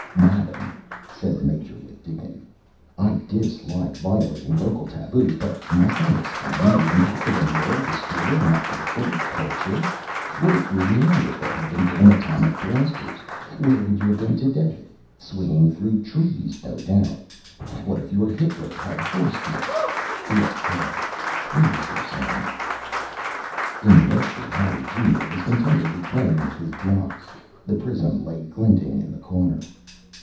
"Madam," said the Major with dignity, "I dislike violating local tabus, but must I explain the impact of a neural distorter on a backwater culture? What if your Neanderthal had been given atomic blasters? Where would you have been today? Swinging through trees, no doubt. What if your Hitler had force fields?" He exhaled. "Where is your son?" In the nursery, Harry Junior was contentedly playing with his blocks. The prism lay glinting in the corner.